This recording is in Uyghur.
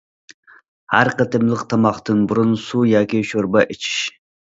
ھەر قېتىملىق تاماقتىن بۇرۇن سۇ ياكى شورپا ئىچىش.